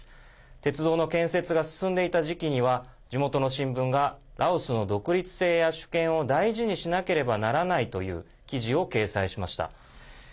鉄道の建設が進んでいた時期には地元の新聞がラオスの独立性や主権を大事にしなければならないという記事を掲載しました。